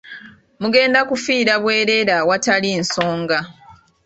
Mugenda kufiira bwereere awatali nsonga.